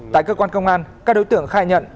tại cơ quan công an các đối tượng khai nhận